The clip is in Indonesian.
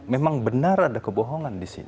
memang benar ada kebohongan di sini